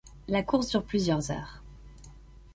La course dure plusieurs heures.